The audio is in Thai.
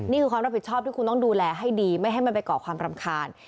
นี่คือความรับผิดชอบที่คุณต้องดูแลให้ดีไม่ให้มันไปก่อความรำคาญ